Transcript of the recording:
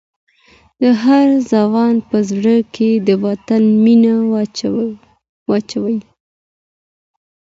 د هر ځوان په زړه کې د وطن مینه واچوئ.